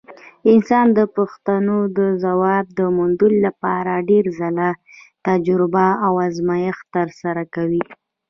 انسان د پوښتنو د ځواب موندلو لپاره ډېر ځله تجربه او ازمېښت ترسره کوي.